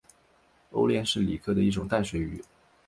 欧鲢是鲤科的一种淡水鱼。